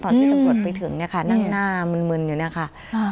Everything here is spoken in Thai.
ตอนที่ตำรวจไปถึงเนี่ยค่ะนั่งหน้ามึนมึนอยู่เนี่ยค่ะ